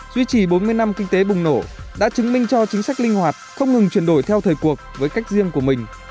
duy trì bốn mươi năm kinh tế bùng nổ đã chứng minh cho chính sách linh hoạt không ngừng chuyển đổi theo thời cuộc với cách riêng của mình